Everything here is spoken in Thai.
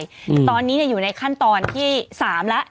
มงตอนนี้อยู่ในขั้นตอนที่๓และ